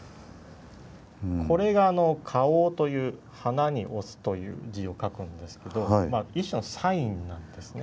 これが花押という「花」に「押す」という字を書くんですけど一種のサインなんですね